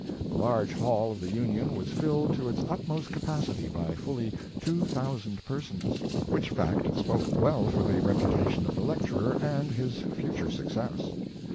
The large hall of the Union was filled to its utmost capacity by fully two thousand persons, which fact spoke well for the reputation of the lecturer and his future success.